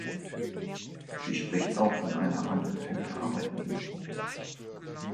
Sie spricht auch von einer Anhörung der Arbeitnehmer.